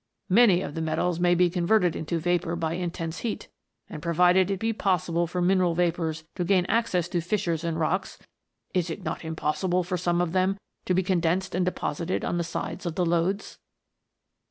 Many of the metals can be converted into vapour by intense heat ; and provided it be possible for mineral vapours to gain access to fissures in rocks, it is not impossible for some of them to be condensed and deposited on the sides of the lodes.